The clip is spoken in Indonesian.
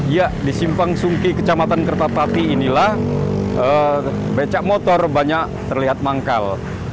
ya di simpang sungki kecamatan kertapati inilah becak motor banyak terlihat manggal